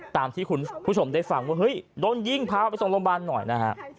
ตามที่คุณผู้ชมได้ฟังว่าเฮ้ยโดนยิงพาไปส่งโรงพยาบาลหน่อยนะฮะ